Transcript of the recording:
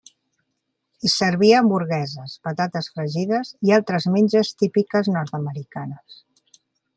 Hi servia hamburgueses, patates fregides i altres menges típiques nord-americanes.